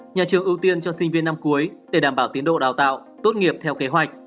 nhà trường ưu tiên cho sinh viên năm cuối để đảm bảo tiến độ đào tạo tốt nghiệp theo kế hoạch